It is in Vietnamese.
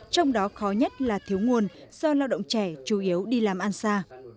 trong đó khó nhất là thiếu nguồn do lao động trẻ chủ yếu đi làm ăn xa